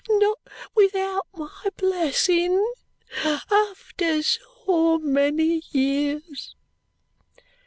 "Not without my blessing. After so many years!"